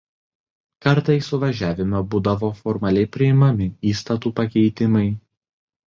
Kartais suvažiavime būdavo formaliai priimami įstatų pakeitimai.